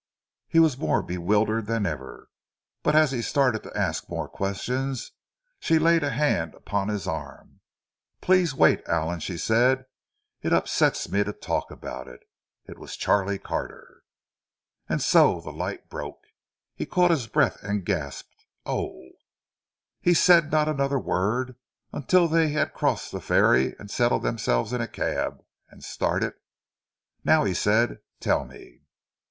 He was more bewildered than ever. But as he started to ask more questions, she laid a hand upon his arm. "Please wait, Allan," she said. "It upsets me to talk about it. It was Charlie Carter." And so the light broke. He caught his breath and gasped, "Oh!" He said not another word until they had crossed the ferry and settled themselves in a cab, and started. "Now," he said, "tell me."